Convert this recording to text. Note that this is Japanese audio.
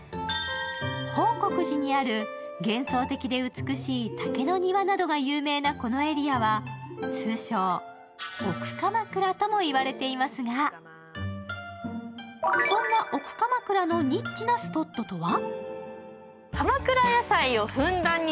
報国寺にある幻想的で美しい竹の庭などが有名なこのエリアは通称、奥鎌倉ともいわれていますがそんな奥鎌倉のニッチなスポットとは？